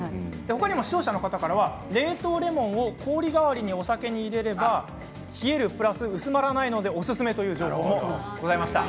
他に視聴者の方からは冷凍レモンを氷代わりにお酒に入れれば冷えるプラス薄まらないのでおすすめだという情報もございました。